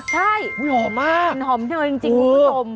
ใช่อุ๊ยหอมมากหอมเยอะจริงคุณผู้ชม